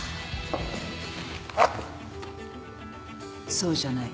そうじゃない。